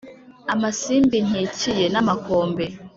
Amasimbi nkikiye n’amakombe